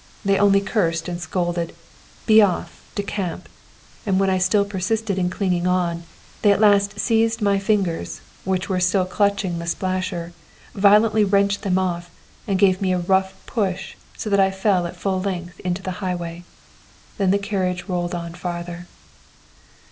They only cursed and scolded: 'Be off! Decamp!' And when I still persisted in clinging on, they at last seized my fingers, which were still clutching the splasher, violently wrenched them off, and gave me a rough push so that I fell at full length into the highway. Then the carriage rolled on farther.